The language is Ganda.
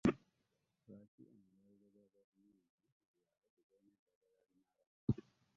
Lwaki amalwaliro ga gavumenti mu byalo tegalina ddagala limala?